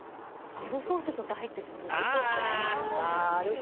アルフォートとか入ってそうじゃない？ああ！